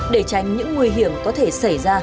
để tránh những nguy hiểm có thể xảy ra